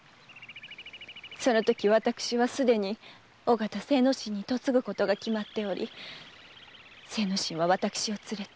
そのとき私は既に尾形精之進に嫁ぐことが決まっており精之進は私を連れて。